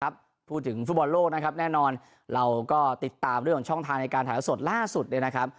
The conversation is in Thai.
พูดถึงฟุตบอลโลกนะครับแน่นอนเราก็ติดตามเรื่องของช่องทางในการถ่ายละสดล่าสุดเนี่ยนะครับ